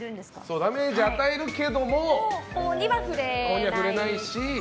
ダメージを与えるけども法には触れないと。